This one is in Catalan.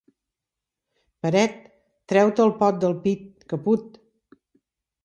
Peret, treu-te el pot del pit, que put.